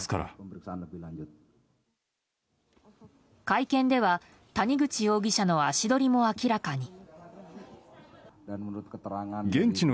会見では谷口容疑者の足取りも明らかに。